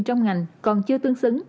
trong ngành còn chưa tương xứng